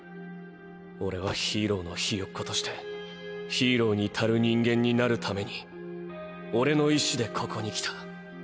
俺はヒーローのヒヨッ子としてヒーローに足る人間になるために俺の意思でここに来た。